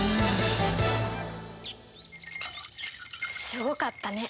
すごかったね